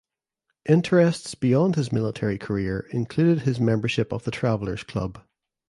Interests beyond his military career included his membership of the Travellers Club.